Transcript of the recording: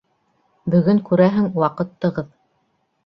Бөгөн күрәһең — ваҡыт тығыҙ.